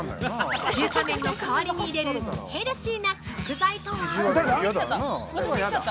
中華麺の代わりに入れるヘルシーな食材とは？